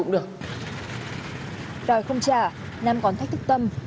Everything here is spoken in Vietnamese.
đòi không trả nam còn thách thức tâm